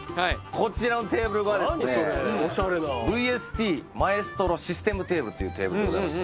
こちらのテーブルはですねＶＳＴマエストロシステムテーブルというテーブルでございます